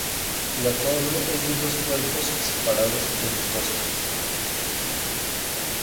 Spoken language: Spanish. La torre es de dos cuerpos separados por imposta.